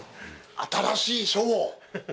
新しい書を。